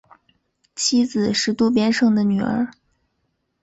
妻子是渡边胜的女儿。